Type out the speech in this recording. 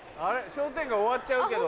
商店街終わっちゃうけど。